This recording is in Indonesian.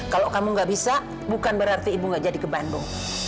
kalau kamu nggak bisa bukan berarti ibu gak jadi ke bandung